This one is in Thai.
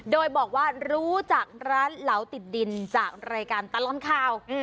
โดยบอกว่ารู้จักร้านเหลาติดดินจากรายการตลอดข่าว